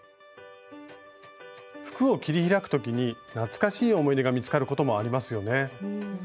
服を切り開く時に懐かしい思い出が見つかることもありますよね。